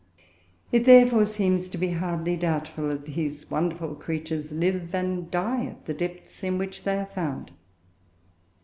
It therefore seems to be hardly doubtful that these wonderful creatures live and die at the depths in which they are found.